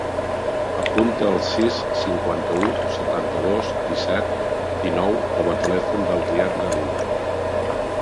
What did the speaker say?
Apunta el sis, cinquanta-u, setanta-dos, disset, dinou com a telèfon del Riad Galindo.